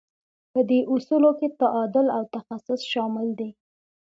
په دې اصولو کې تعادل او تخصص شامل دي.